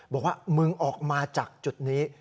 บอกว่ามึงออกมาจากจุดนี้